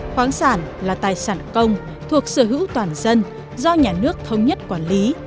khoáng sản là tài sản công thuộc sở hữu toàn dân do nhà nước thống nhất quản lý